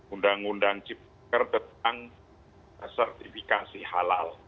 undang undang cipta kerja tentang sertifikasi halal